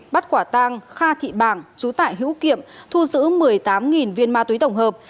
bắt quả tang kha thị bảng chú tải hữu kiệm thu giữ một mươi tám viên ma túy tổng hợp